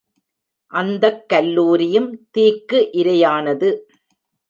அந்தக் கல்லூரியும் தீக்கு இரையானது.